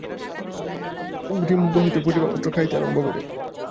কুক্কুটশাবকগণ ডিম্ব হইতে ফুটিবামাত্র খাইতে আরম্ভ করে।